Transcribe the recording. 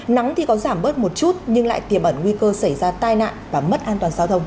nắng thì có giảm bớt một chút nhưng lại tiềm ẩn nguy cơ xảy ra tai nạn và mất an toàn giao thông